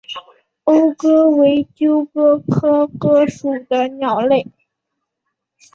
欧鸽为鸠鸽科鸽属的鸟类。